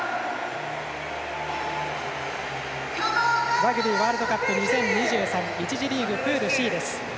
ラグビーワールドカップ２０２３１次リーグ、プールＣです。